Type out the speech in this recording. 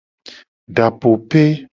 Dapope.